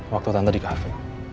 waktu tante di cafe